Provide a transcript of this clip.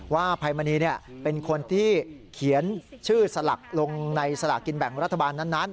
ภัยมณีเป็นคนที่เขียนชื่อสลักลงในสลากินแบ่งรัฐบาลนั้น